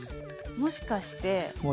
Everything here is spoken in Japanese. もしかして？